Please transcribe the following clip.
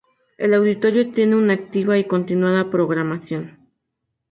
El Auditorio tiene una activa y continuada programación.